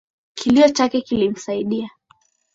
Kilio chake kilimsaidia.